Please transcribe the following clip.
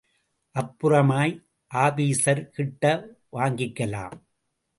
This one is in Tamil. அப்புறமாய் ஆபீஸர்கிட்ட வாங்கிக்கலாம்.